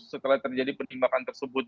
setelah terjadi penimbakan tersebut